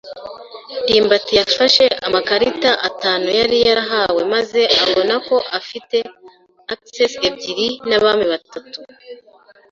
ndimbati yafashe amakarita atanu yari yarahawe maze abona ko afite aces ebyiri n'abami batatu.